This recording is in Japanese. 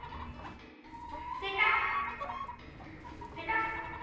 ピカッピカッ。